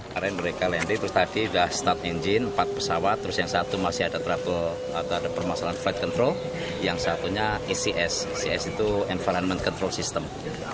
karena mereka lendi terus tadi sudah start engine empat pesawat terus yang satu masih ada permasalahan flight control yang satunya ecs ecs itu environment control system